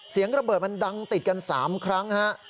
เสียงระเบิดมันดังติดกัน๓ครั้งฮะ